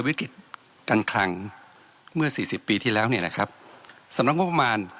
วิกฤติการคลังเมื่อสี่สิบปีที่แล้วเนี่ยนะครับสำนักงบประมาณ